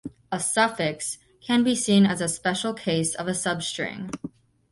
A suffix can be seen as a special case of a substring.